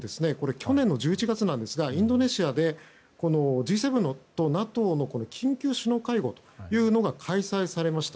去年の１１月なんですがインドネシアでＧ７とＮＡＴＯの緊急首脳会合が開催されました。